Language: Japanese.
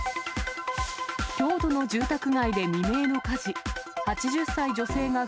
京都の住宅街で未明の火事。